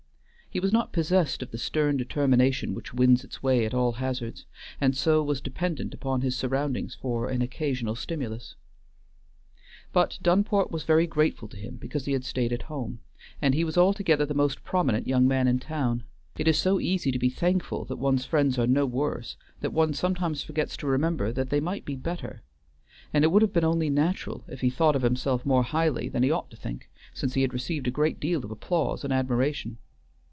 He was not possessed of the stern determination which wins its way at all hazards, and so was dependent upon his surroundings for an occasional stimulus. But Dunport was very grateful to him because he had stayed at home, and he was altogether the most prominent young man in the town. It is so easy to be thankful that one's friends are no worse that one sometimes forgets to remember that they might be better; and it would have been only natural if he thought of himself more highly than he ought to think, since he had received a good deal of applause and admiration.